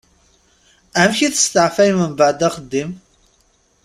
Amek i testeεfayem mbeεd axeddim?